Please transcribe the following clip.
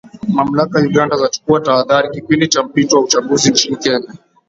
Mamlaka Uganda zachukua tahadhari kipindi cha mpito wa uchaguzi nchini Kenya.